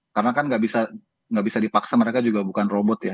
karena kan tidak bisa dipaksa mereka juga bukan robot ya